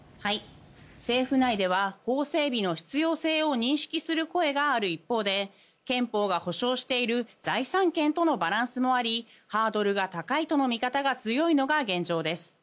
政府内では法整備の必要性を認識する声がある一方で憲法が保障している財産権とのバランスもありハードルが高いとの見方が強いのが現状です。